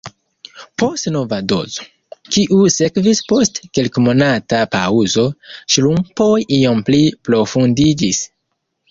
Post nova dozo, kiu sekvis post kelkmonata paŭzo, ŝrumpoj iom pli profundiĝis.